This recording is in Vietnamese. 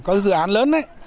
có dự án lớn đấy